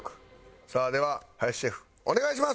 さあでは林シェフお願いします！